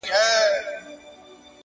هره هڅه د شخصیت انعکاس دی,